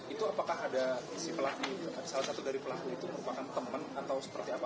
itu apakah ada si pelaku salah satu dari pelaku itu merupakan teman atau seperti apa